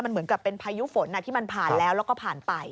เหมือนกับเป็นพายุฝนที่มันผ่านแล้วแล้วก็ผ่านไป